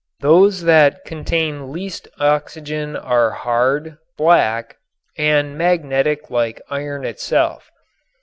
Those that contain least oxygen are hard, black and magnetic like iron itself.